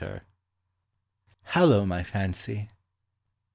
HALLO, MY FANCY.